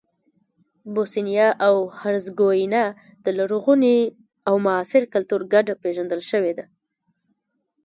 بوسنیا او هرزګوینا د لرغوني او معاصر کلتور ګډه پېژندل شوې ده.